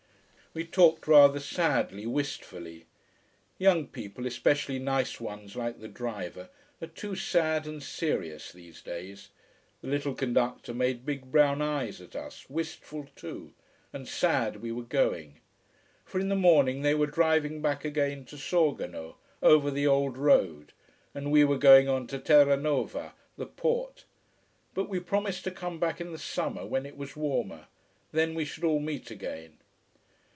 We talked rather sadly, wistfully. Young people, especially nice ones like the driver, are too sad and serious these days. The little conductor made big brown eyes at us, wistful too, and sad we were going. For in the morning they were driving back again to Sorgono, over the old road, and we were going on, to Terranova, the port. But we promised to come back in the summer, when it was warmer. Then we should all meet again.